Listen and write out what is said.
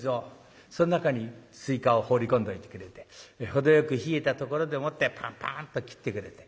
そん中にすいかを放り込んどいてくれて程よく冷えたところでもってパンパンッと切ってくれて。